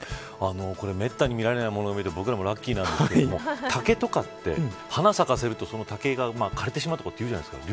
これめったに見られないもの見れて、僕らもラッキーなんですけど竹とかって花を咲かせるとその竹が枯れてしまうとか言うじゃないですか。